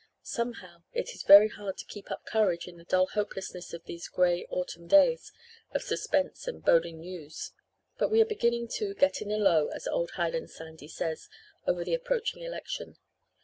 Somehow, it is very hard to keep up courage in the dull hopelessness of these grey autumn days of suspense and boding news. But we are beginning to 'get in a low,' as old Highland Sandy says, over the approaching election.